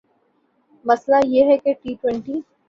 مسئلہ یہ ہے کہ ٹی ٹؤنٹی